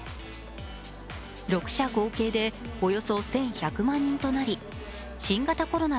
６社合計でおよそ１１００万人となり新型コロナ